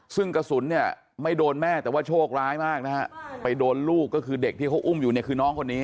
ซึ่งกระสุนเนี่ยไม่โดนแม่แต่ว่าโชคร้ายมากนะฮะไปโดนลูกก็คือเด็กที่เขาอุ้มอยู่เนี่ยคือน้องคนนี้